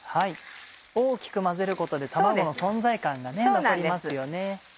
大きく混ぜることで卵の存在感が残りますよね。